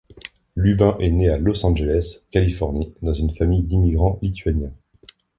Lubin est né à Los Angeles, Californie dans une famille d'immigrants lituaniens.